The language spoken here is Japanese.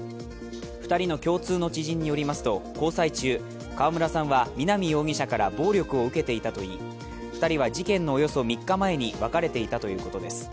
２人の共通の知人によりますと、交際中、川村さんは南容疑者から暴力を受けていたといい２人は事件のおよそ３日前に別れていたということです。